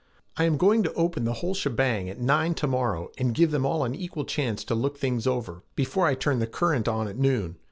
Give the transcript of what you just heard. I am going to open the whole shebang at nine to morrow and give them all an equal chance to look things over before I turn the current on at noon.